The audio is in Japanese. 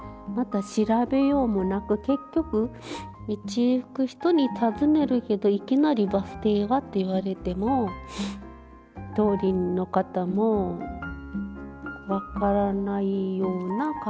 調べようもなく結局道行く人に尋ねるけどいきなりバス停はって言われても通りの方も分からないような感じを書いてますね。